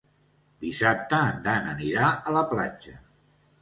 Dissabte en Dan anirà a la platja.